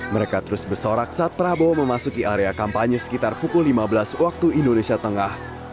mereka terus bersorak saat prabowo memasuki area kampanye sekitar pukul lima belas waktu indonesia tengah